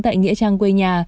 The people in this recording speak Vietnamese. tại nghĩa trang quê nhà